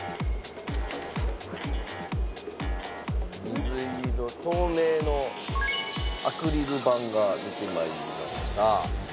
水色透明のアクリル板が出て参りました。